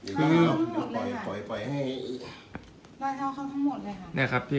กลับมาร้อยเท้า